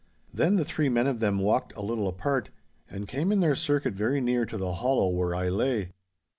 'Then the three men of them walked a little apart, and came in their circuit very near to the hollow where I lay.